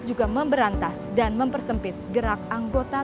jaga kesatuan dan persatuan nkri